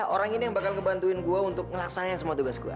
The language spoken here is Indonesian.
orang ini yang bakal ngebantuin gue untuk ngelaksana semua tugas gue